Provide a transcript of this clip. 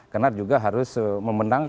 karena juga harus memenang